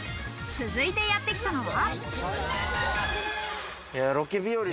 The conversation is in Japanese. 続いてやってきたのは。